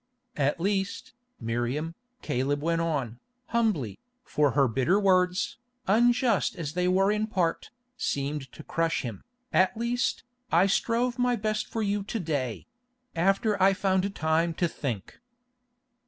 "At least, Miriam," Caleb went on, humbly, for her bitter words, unjust as they were in part, seemed to crush him, "at least, I strove my best for you to day—after I found time to think."